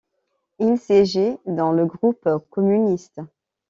Il siègeait dans le groupe communiste.